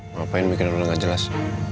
ngapain bikin lu gak jelas